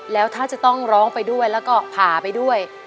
แล้วถ้าจะต้องร้องไปด้วยแล้วก็ผ่าไปด้วย